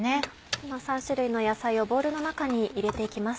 この３種類の野菜をボウルの中に入れて行きます。